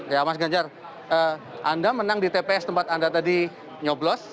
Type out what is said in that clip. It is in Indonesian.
ya mas ganjar anda menang di tps tempat anda tadi nyoblos